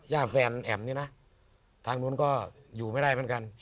แฟนแอ๋มนี่นะทางนู้นก็อยู่ไม่ได้เหมือนกัน